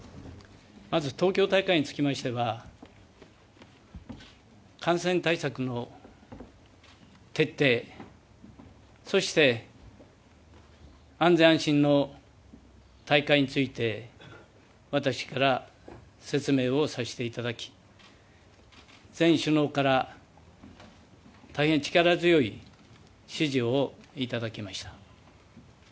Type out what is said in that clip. まず東京大会につきましては感染対策の徹底そして安全・安心の大会について私から説明をさせていただき全首脳から大変力強い支持をいただきました。